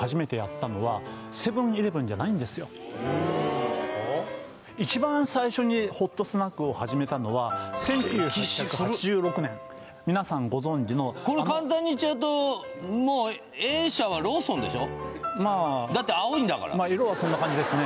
そもそもこの一番最初にホットスナックを始めたのは１９８６年みなさんご存じのこれ簡単に言っちゃうともうだって青いんだから色はそんな感じですね